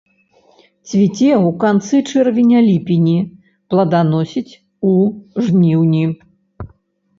Цвіце ў канцы чэрвеня-ліпені, пладаносіць у жніўні.